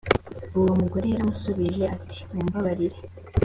uwo mugore yaramushubije ati mumbabarire